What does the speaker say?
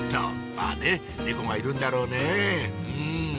まぁね猫がいるんだろうねん！